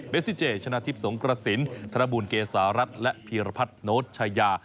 ซิเจชนะทิพย์สงกระสินธนบูลเกษารัฐและพีรพัฒน์โน้ตชายา